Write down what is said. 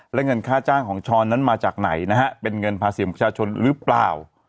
และเงินค่าจ้างของช้อนนั้นมาจากไหนนะฮะเป็นเงินภาษีของประชาชนหรือเปล่า